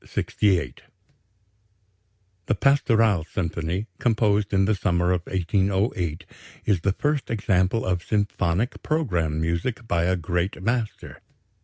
68 The "Pastoral" symphony, composed in the summer of 1808, is the first example of symphonic programme music by a great master.